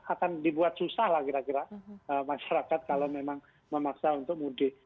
akan dibuat susah lah kira kira masyarakat kalau memang memaksa untuk mudik